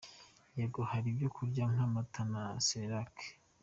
Yego hari ibyo kurya nk’amata na celerac.